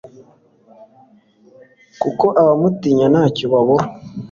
kuko abamutinya nta cyo babura